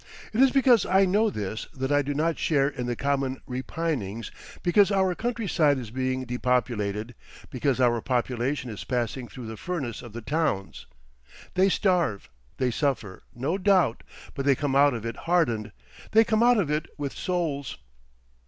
It is because I know this that I do not share in the common repinings because our countryside is being depopulated, because our population is passing through the furnace of the towns. They starve, they suffer, no doubt, but they come out of it hardened, they come out of it with souls.